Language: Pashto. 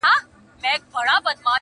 • څو كسان وه په كوڅه كي يې دعوه وه -